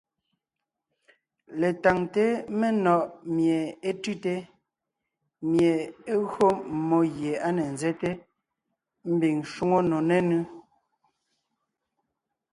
Letáŋte menɔ̀ʼ mie é tʉ́te, mie é gÿo mmó gie á ne nzɛ́te mbiŋ shwóŋo nò nénʉ́.